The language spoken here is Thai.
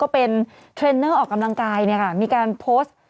ออกกำลังกายเนี่ยค่ะมีการโพสต์